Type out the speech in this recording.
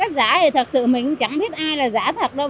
các giả thì thật sự mình chẳng biết ai là giả thật đâu